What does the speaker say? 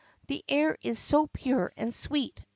"The air is so pure and sweet!"